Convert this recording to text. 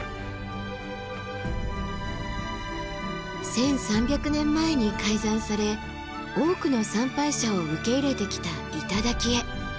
１，３００年前に開山され多くの参拝者を受け入れてきた頂へ。